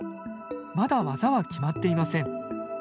まだ技は決まっていません。